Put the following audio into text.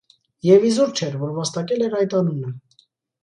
Եվ իզուր չէր, որ վաստակել էր այդ անունը: